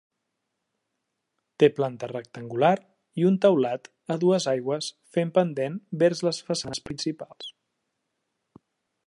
Té planta rectangular i un teulat a dues aigües fent pendent vers les façanes principals.